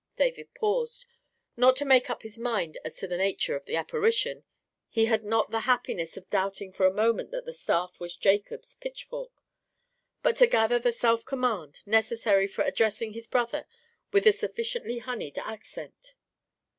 David paused, not to make up his mind as to the nature of the apparition—he had not the happiness of doubting for a moment that the staff was Jacob's pitchfork—but to gather the self command necessary for addressing his brother with a sufficiently honeyed accent.